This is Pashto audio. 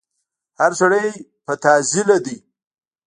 هر سړی په تعضيله دی